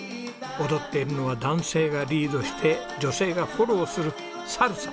踊っているのは男性がリードして女性がフォローするサルサ。